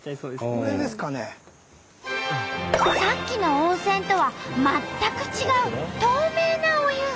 さっきの温泉とは全く違う透明なお湯。